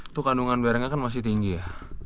itu kandungan barangnya kan masih tinggi ya